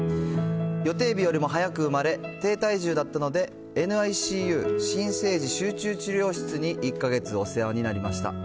予定日よりも早く産まれ、低体重だったので、ＮＩＣＵ・新生児集中治療室に１か月お世話になりました。